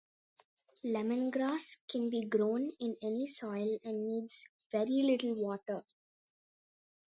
Lemongrass can be grown in any soil and needs very little water.